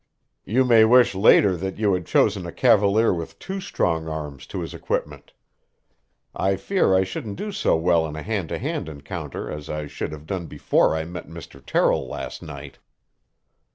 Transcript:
"You may wish later that you had chosen a cavalier with two strong arms to his equipment. I fear I shouldn't do so well in a hand to hand encounter as I should have done before I met Mr. Terrill last night."